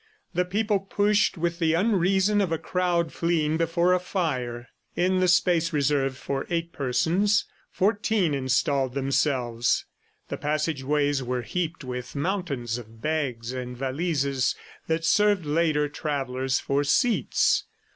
The people pushed with the unreason of a crowd fleeing before a fire. In the space reserved for eight persons, fourteen installed themselves; the passageways were heaped with mountains of bags and valises that served later travellers for seats.